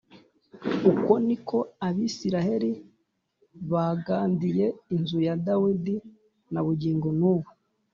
Uko ni ko Abisirayeli bagandiye inzu ya Dawidi na bugingo n’ubu